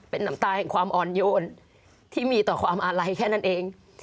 เป็นน้ำตาแห่งความอ่อนโยนที่มีต่อความอาลัยแค่นั้นเอง